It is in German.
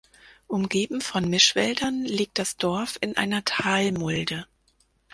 Umgeben von Mischwäldern liegt das Dorf in einer Talmulde.